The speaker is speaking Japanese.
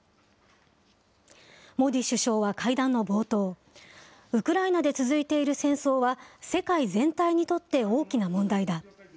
モディ首相は会談の冒頭、ウクライナで続いている戦争は世界全体にとって大きな問題だ。